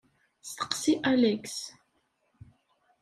Steqsi Alex.